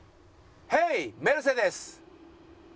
ヘイメルセデス。